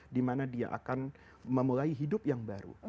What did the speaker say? dimana dia akan memulai hidup yang baru